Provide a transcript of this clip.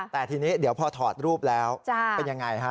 แต่ทีนี้เดี๋ยวพอถอดรูปแล้วเป็นยังไงฮะ